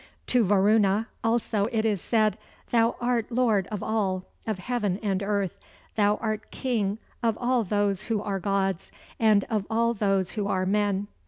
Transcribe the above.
To Varuna also it is said, "Thou art lord of all, of heaven and earth; thou art king of all those who are gods, and of all those who are men."